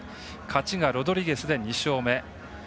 勝ちがロドリゲスで２勝目。